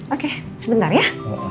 oke sebentar ya